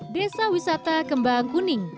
desa wisata kembang kuning